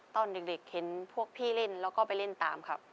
ตอนเด็กเห็นพวกพี่เล่นแล้วก็ไปเล่นตามครับ